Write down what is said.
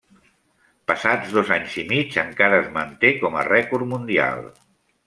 Passats dos anys i mig encara es manté com a rècord mundial.